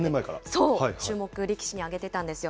そう、注目力士に挙げてたんですよ。